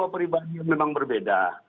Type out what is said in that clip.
pribadi yang memang berbeda